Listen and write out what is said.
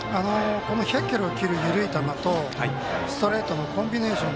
この１００キロを切る緩い球とストレートのコンビネーション